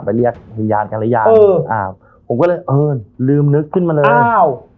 เรียกวิญญาณกันหรือยังอ่าผมก็เลยเออลืมนึกขึ้นมาเลยอ้าว